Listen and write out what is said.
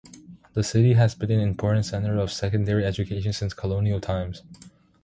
The city has been an important centre of secondary education since colonial times.